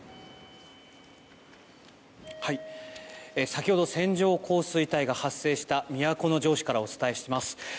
先ほど線状降水帯が発生した都城市からお伝えします。